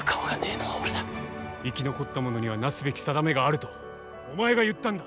生き残った者にはなすべき定めがあるとお前が言ったんだ。